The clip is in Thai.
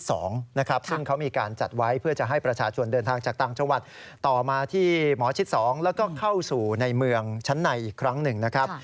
ซึ่งเขามีการจัดไว้เพื่อจะให้ประชาชนเดินทางจากต่างจังหวัดต่อมาที่หมอชิด๒แล้วก็เข้าสู่ในเมืองชั้นในอีกครั้งหนึ่งนะครับ